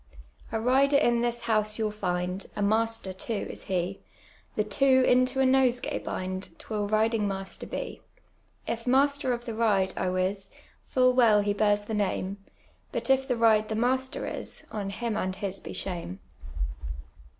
*' A rider in this house you'll find, A master too is hv, The two into a nosegay bind, 'Twill ridinf^ HKuster \h . If master of the ride, I wis, Full well he bears the name, But if the ride the master is. On him and his be shame."